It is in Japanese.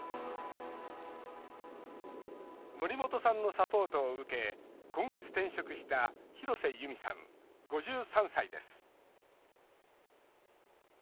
森本さんのサポートを受け今月、転職した廣瀬由美さん５３歳です。